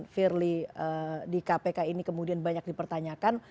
firly di kpk ini kemudian banyak dipertanyakan